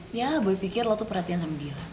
biar ya boy pikir lo tuh perhatian sama dia